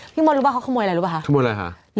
พี่มอลรู้ป่ะเขาขโมยอะไรรู้ป่ะค่ะ